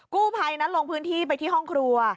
กู้ภัยนั้นลงพื้นที่ไปที่ห้องครัว